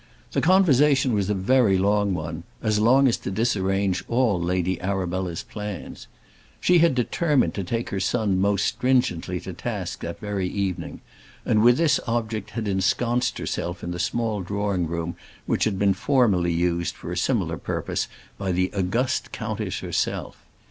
The conversation was a very long one, as long as to disarrange all Lady Arabella's plans. She had determined to take her son most stringently to task that very evening; and with this object had ensconced herself in the small drawing room which had formerly been used for a similar purpose by the august countess herself.